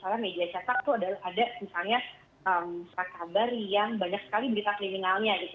kalau dulu kita lihat misalnya kalau di media cetak itu ada misalnya saat kabar yang banyak sekali berita kriminalnya gitu